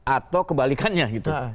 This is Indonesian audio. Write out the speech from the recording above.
atau kebalikannya gitu